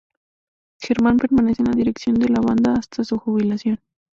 Germán permanece en la dirección de la Banda hasta su jubilación.